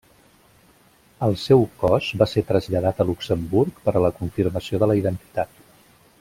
El seu cos va ser traslladat a Luxemburg per a la confirmació de la identitat.